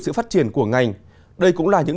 sự phát triển của ngành đây cũng là những